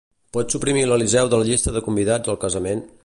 Pots suprimir l'Eliseu de la llista de convidats al casament?